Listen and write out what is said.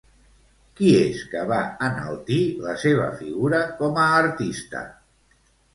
Qui és que va enaltir la seva figura com a artista?